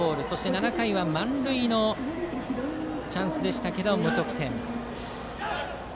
７回は満塁のチャンスでしたが無得点です。